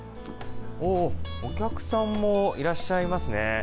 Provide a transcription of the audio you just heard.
お客さんもいらっしゃいますね。